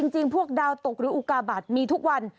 จริงพวกดาวตกหรืออุกาบาทมีทุกวัน